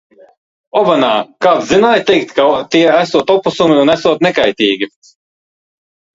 Kāds zināja teikt, ka tie esot oposumi un esot nekaitīgi.